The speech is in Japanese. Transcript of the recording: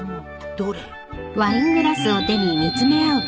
どれ？